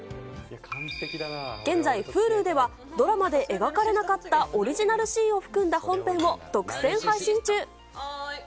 現在、Ｈｕｌｕではドラマで描かれなかったオリジナルシーンを含んだ本編を独占配信中。